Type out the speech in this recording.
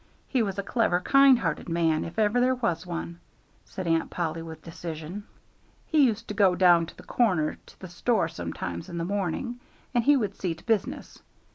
He was a clever, kind hearted man, if ever there was one," said Aunt Polly, with decision. "He used to go down to the corner to the store sometimes in the morning, and he would see to business.